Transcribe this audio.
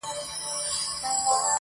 پښتو د زړه ژبه ده